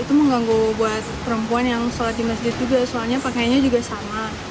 itu mengganggu buat perempuan yang sholat di masjid juga soalnya pakaiannya juga sama